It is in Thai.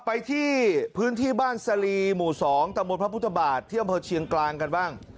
ไปที่พื้นที่บ้านสลีหมู่๒ตะบนพระพุทธบาทที่อำเภอเชียงกลางกันบ้าง